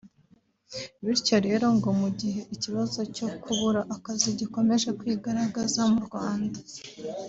Bityo rero ngo mu gihe ikibazo cyo kubura akazi gikomeje kwigaragaza mu Rwanda